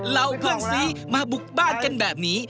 เราเพื่อนสีมาบุกบ้านกันแบบนี้